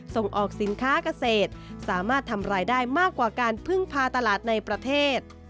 ส่งออกสินค้าเกษตรสามารถทำรายได้มากกว่าการพึ่งพาตลาดในประเทศ